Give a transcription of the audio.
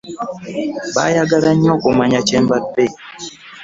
Baayagala nnyo okumanya kye mbadde.